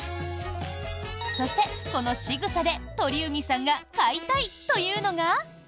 そしてこの「ｓｉｇｕｓａ」で鳥海さんが買いたいというのが。